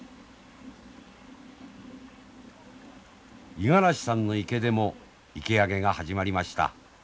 五十嵐さんの池でも池上げが始まりました。